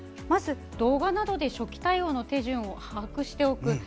まず動画などで初期対応の手順を把握しておく。